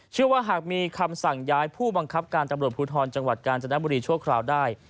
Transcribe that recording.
หากมีคำสั่งย้ายผู้บังคับการตำรวจภูทรจังหวัดกาญจนบุรีชั่วคราวได้